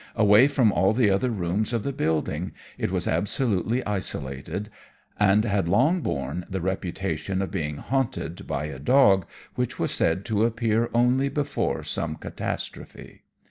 Away from all the other rooms of the building, it was absolutely isolated; and had long borne the reputation of being haunted by a dog, which was said to appear only before some catastrophe.